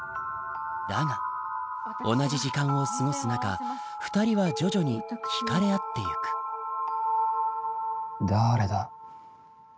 だが同じ時間を過ごす中２人は徐々に惹かれ合ってゆくだーれだ。